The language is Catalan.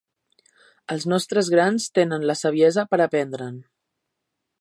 Els nostres grans tenen la saviesa per aprendre'n.